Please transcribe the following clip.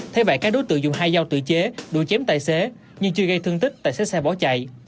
thế vậy các đối tượng dùng hai dao tự chế đuổi chém tài xế nhưng chưa gây thương tích tài xế xe bỏ chạy